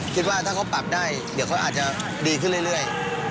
คิดว่าถ้าเขาปรับได้เดี๋ยวเขาอาจจะดีขึ้นเรื่อย